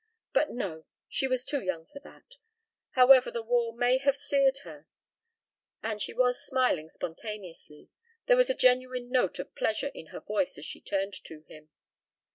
. but no, she was too young for that, however the war may have seared her; and she was smiling spontaneously, there was a genuine note of pleasure in her voice as she turned to him.